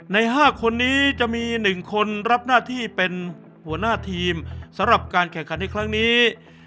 ใน๕คนนี้จะมี๑คนรับหน้าที่เป็นหัวหน้าทีมสำหรับการแข่งขันในครั้งนี้